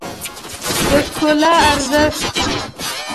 د ښکلا ارزښت